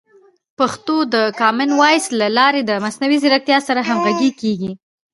پښتو د کامن وایس له لارې د مصنوعي ځیرکتیا سره همغږي کیږي.